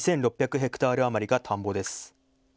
ヘクタール余りが田んぼです。